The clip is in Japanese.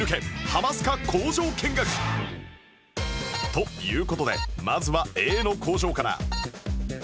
という事でまずは Ａ の工場から